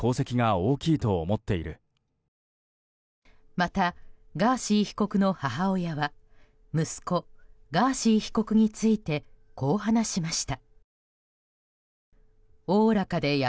また、ガーシー被告の母親は息子ガーシー被告についてこう話しました。